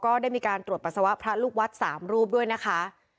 ก็ได้มีการตรวจปัสสาวะพระลูกวัด๓รูปด้วยนะคะ